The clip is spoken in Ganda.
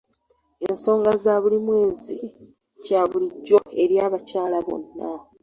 Ensonga za buli mwezi kya bulijjo eri abakyala bonna.